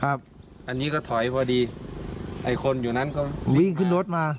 อันนี้ก็ถอยพอดีไอ้คนอยู่นั้นก็วิ่งขึ้นรถมา